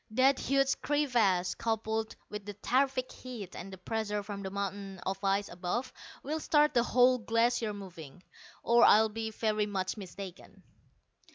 That huge crevasse, coupled with the terrific heat and the pressure from the mountain of ice above, will start the whole Glacier moving, or I'll be very much mistaken."